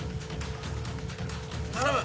・頼む！